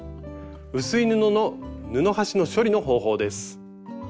薄い布の布端の処理の方法です。